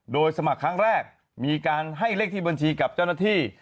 โดยสมัครครั้งแรกมีการให้เลขที่บัญชีกับเจ้าหน้าที่